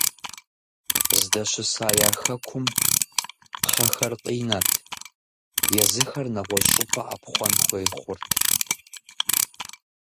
Здэщыса я хэкум кхъэхэр къинэт, езыхэр нэгъуэщӀ щӀыпӀэ Ӏэпхъуэн хуей хъурт.